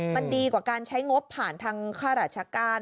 มันดีกว่าการใช้งบผ่านทางค่าราชการ